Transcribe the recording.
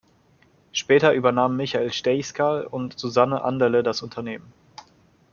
Später übernahmen Michael Stejskal und Susanne Anderle das Unternehmen.